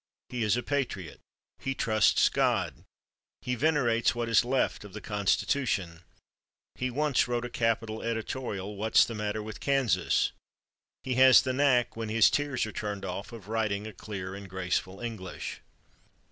He is a patriot. He trusts God. He venerates what is left of the Constitution. He once wrote a capital editorial, "What's the Matter With Kansas?" He has the knack, when his tears are turned off, of writing a clear and graceful English....